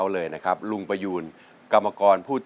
ลูกทุ่งสู้ชีวิต